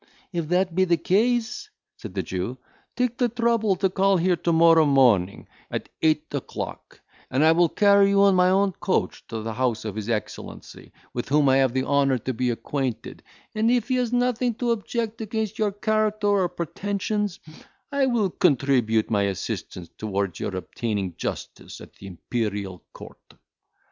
"If that be the case," said the Jew, "take the trouble to call here to morrow morning, at eight o'clock, and I will carry you in my own coach to the house of his excellency, with whom I have the honour to be acquainted; and, if he has nothing to object against your character or pretensions, I will contribute my assistance towards your obtaining justice at the Imperial court."